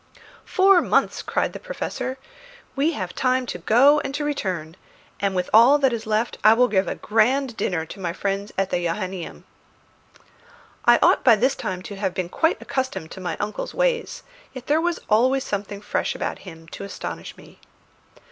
"Four months!" cried the Professor. "We have time to go and to return; and with what is left I will give a grand dinner to my friends at the Johannæum." I ought by this time to have been quite accustomed to my uncle's ways; yet there was always something fresh about him to astonish me.